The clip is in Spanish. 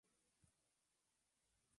Autobús, Villarcayo-Espinosa de los Monteros.